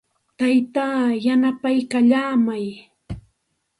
Taytaa yanapaykallaamay.